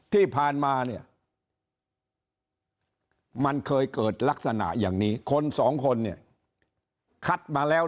ที่ผ่านมาเนี่ยมันเคยเกิดลักษณะอย่างนี้คนสองคนเนี่ยคัดมาแล้ว